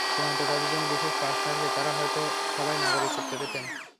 সীমান্তে তাঁদের জন্য বিশেষ পাস থাকলে তাঁরা হয়তো সবাই নাগরিকত্ব পেতেন।